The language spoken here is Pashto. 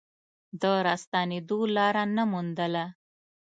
د راستنېدو لاره نه موندله.